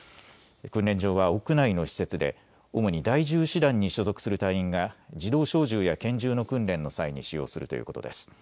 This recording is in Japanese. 訓練場は屋内の施設で主に第１０師団に所属する隊員が自動小銃や拳銃の訓練の際に使用するということです。